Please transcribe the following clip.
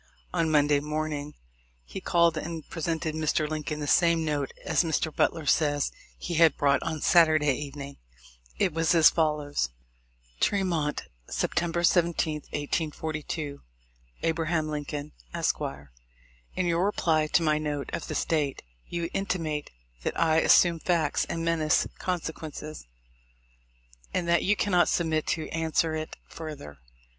On Monday morning he called and presented Mr. Lincoln the same note as Mr. Butler says he had brought on Saturday evening. It was as fol lows :— Tremont, September 17, 1842. A. Lincoln, Esq. :— In your reply to my note of this date, you intimate that I assume facts and menace con sequences, and that you cannot submit to answer it further.